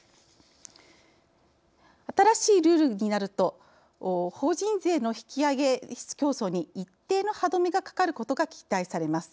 新しいルールになると法人税の引き上げ競争に一定の歯止めがかかることが期待されます。